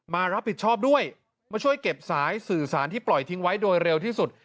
มารับผิดชอบด้วยมาช่วยเก็บสายสื่อสารที่ปล่อยทิ้งไว้โดยเร็วที่สุด